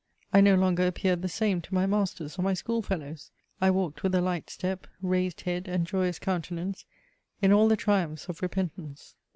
I no longer appeared the same to my masters or my schoolfellows. I walked with a light step, raised head and joyous countenance, in all the triumphs of repentance.